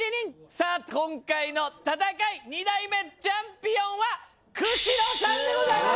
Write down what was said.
さあ今回の戦い二代目チャンピオンは久代さんでございます！